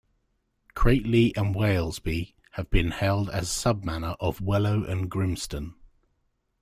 Cratley and Walesby have been held as Sub Manor of Wellow and Grimston.